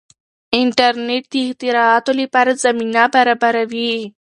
انټرنیټ د اختراعاتو لپاره زمینه برابروي.